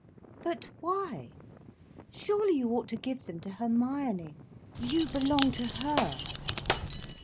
"But why? Surely you ought to give them to Hermione! You belong to her."